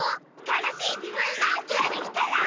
たのしいじぶんマークができたら。